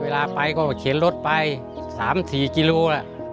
เวลาไปก็เคลียร์รถไป๓๔กิโลกรัมแล้ว